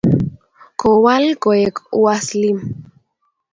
kowal koek Uaslim